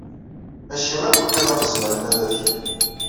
Maci akk igḍaḍ zemren ad afgen.